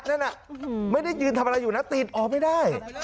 นั่นน่ะไม่ได้ยืนทำอะไรอยู่นะติดออกไม่ได้